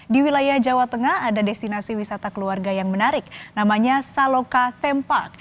di wilayah jawa tengah ada destinasi wisata keluarga yang menarik namanya saloka tempark